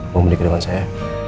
mau beli kedua dua saya